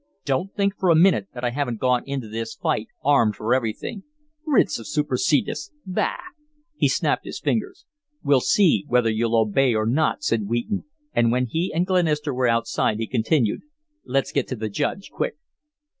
"Don't think for a minute that I haven't gone into this fight armed for everything. Writs of supersedeas! Bah!" He snapped his fingers. "We'll see whether you'll obey or not," said Wheaton and when he and Glenister were outside he continued: "Let's get to the Judge quick."